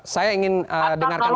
saya ingin dengarkan lagi